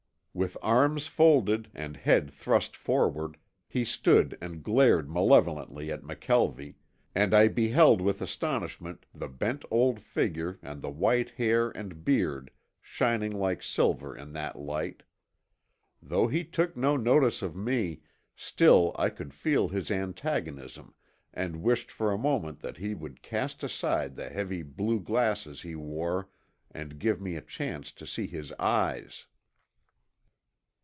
With arms folded and head thrust forward, he stood and glared malevolently at McKelvie, and I beheld with astonishment the bent old figure and the white hair and beard shining like silver in that light. Though he took no notice of me, still I could feel his antagonism and wished for a moment that he would cast aside the heavy blue glasses he wore and give me a chance to see his eyes.